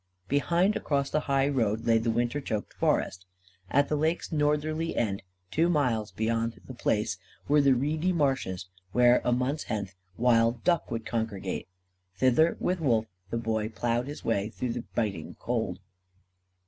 Behind, across the highroad, lay the winter choked forest. At the lake's northerly end, two miles beyond The Place, were the reedy marshes where, a month hence, wild duck would congregate. Thither, with Wolf, the Boy ploughed his way through the biting cold.